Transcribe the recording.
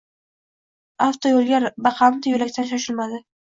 Avtoyo’lga baqamti yo’lakdan shoshilmadi.